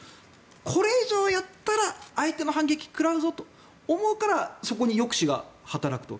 これ以上やったら相手の反撃を食らうぞと思うからそこに抑止が働くと。